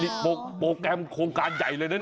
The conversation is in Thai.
นี่โปรแกรมโครงการใหญ่เลยนะ